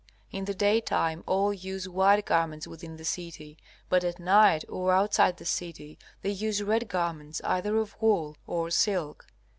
In the daytime all use white garments within the city, but at night or outside the city they use red garments either of wool or silk.